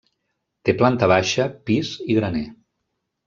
Té planta baixa, pis i graner.